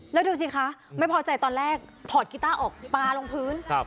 แล้วดูสิคะไม่พอใจตอนแรกถอดกีต้าออกปลาลงพื้น